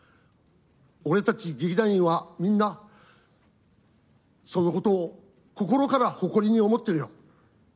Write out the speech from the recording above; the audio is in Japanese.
俺たち劇団員はみんなそのことを心から誇りに思ってるよ。